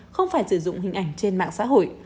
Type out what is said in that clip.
không phải sử dụng hình ảnh trên mạng xã hội